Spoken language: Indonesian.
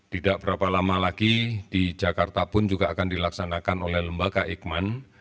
tidak berapa lama lagi di jakarta pun juga akan dilaksanakan oleh lembaga eijkman